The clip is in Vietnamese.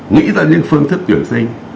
nghĩ ra những phương thức tuyển sinh